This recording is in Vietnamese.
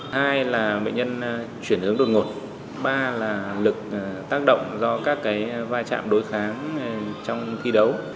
hai là bệnh nhân chuyển hướng đột ngột ba là lực tác động do các cái vai trạm đối kháng trong thi đấu